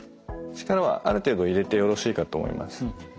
力はある程度入れてよろしいかと思います。